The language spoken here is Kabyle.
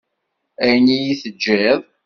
Ayen i yi-teǧǧiḍ.